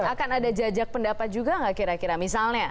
akan ada jajak pendapat juga nggak kira kira misalnya